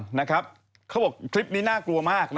จะไปหาที่ไหน๘๐๐๐ตรัน